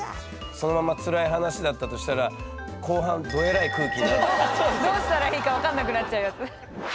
そのまんま辛い話だったとしたら後半どうしたらいいか分かんなくなっちゃうやつ。